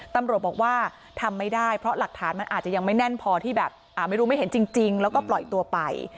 ตำรวจบอกว่าทำไม่ได้เพราะหลักฐานมันอาจจะยังไม่แน่นพอที่แบบไม่รู้ไม่เห็นจริงแล้วก็ปล่อยตัวไป